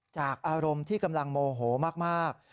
จากอารมณ์ที่กำลังโมโหมาก